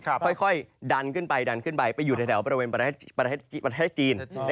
ค่อยดันขึ้นไปไปอยู่ในแถวประเทศจีน